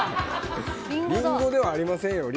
リンゴではありませんよ。